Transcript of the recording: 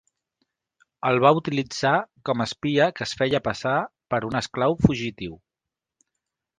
El va utilitzar com a espia que es feia passar per un esclau fugitiu.